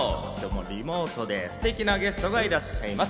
リモートでステキなゲストがいらっしゃいます。